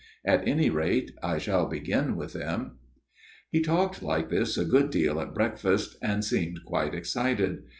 At any rate, I shall begin with them." " He talked like this a good deal at breakfast, and seemed quite excited.